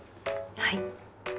はい。